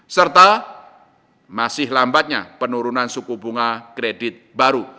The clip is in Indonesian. serta masih lambatnya penurunan suku bunga kredit baru